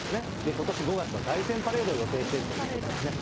ことし５月は、凱旋パレードを予定しているということですね。